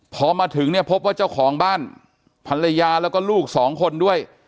พอมาถึงเนี่ยพบว่าเจ้าของบ้านภรรยาแล้วก็ลูกสองคนด้วย